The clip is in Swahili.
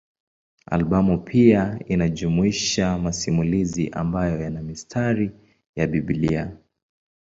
Albamu pia inajumuisha masimulizi ambayo yana mistari ya Biblia.